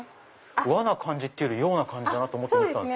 和な感じっていうより洋な感じと思って見てたんです。